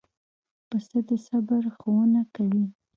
پسه د صبر ښوونه کوي.